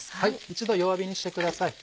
一度弱火にしてください。